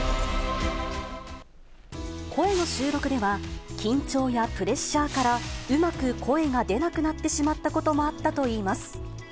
声の収録では、緊張やプレッシャーからうまく声が出なくなってしまったこともあったといいます。